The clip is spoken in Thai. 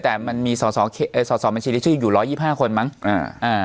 แต่มันมีสอสอเอ่อสอสอบัญชีที่ชื่ออยู่ร้อยยี่ห้าคนมั้งอ่าอ่า